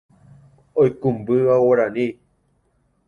oikũmbýva guarani